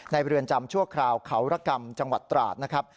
เรือนจำชั่วคราวเขาระกรรมจังหวัดตราดนะครับ